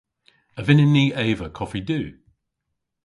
A vynnyn ni eva koffi du?